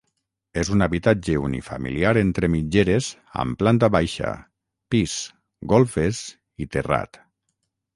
És un habitatge unifamiliar entre mitgeres amb planta baixa, pis, golfes i terrat.